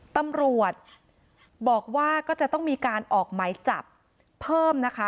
ตำรวจบอกว่าก็จะต้องมีการออกไหมจับเพิ่มนะคะ